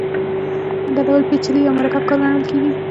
دا ډول کار پېچلی یا مرکب کار ګڼل کېږي